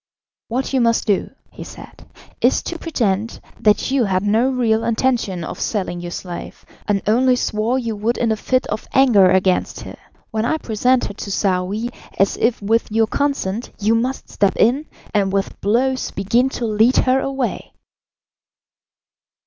"What you must do," he said, "is to pretend that you had no real intention of selling your slave, and only swore you would in a fit of anger against her. When I present her to Saouy as if with your consent you must step in, and with blows begin to lead her away."